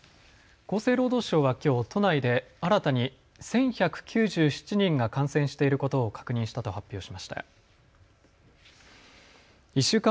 厚生労働省はきょう都内で新たに１１９７人が感染していることを確認したと発表しました。